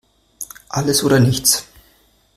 Alles oder nichts!